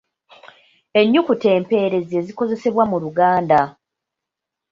Ennukuta empeerezi ezikozesebwa mu Luganda.